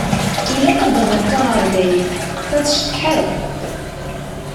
Ilaq ad d-taɣeḍ taɣerdayt, ta tceṭṭeḥ akk.